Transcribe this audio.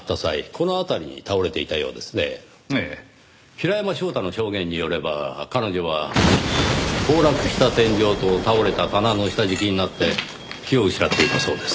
平山翔太の証言によれば彼女は崩落した天井と倒れた棚の下敷きになって気を失っていたそうです。